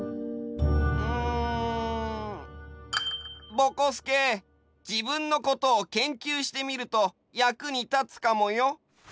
ぼこすけ自分のことを研究してみると役に立つかもよ？